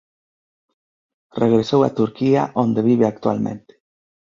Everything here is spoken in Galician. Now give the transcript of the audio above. Regresou a Turquía onde vive actualmente.